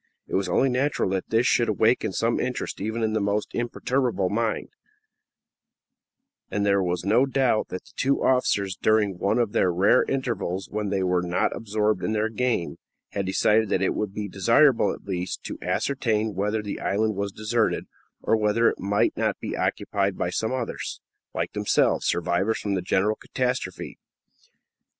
It was only natural that this should awaken some interest even in the most imperturbable minds, and there was no doubt that the two officers, during one of the rare intervals when they were not absorbed in their game, had decided that it would be desirable at least to ascertain whether the island was deserted, or whether it might not be occupied by some others, like themselves, survivors from the general catastrophe.